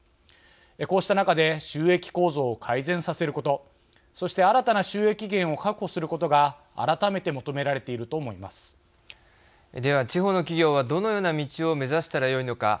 こうした中で収益構造を改善させることそして新たな収益源を確保することがでは地方の企業はどのような道を目指したらよいのか。